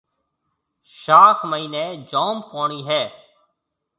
شاخ مئينَي جوم پوڻِي هيَ۔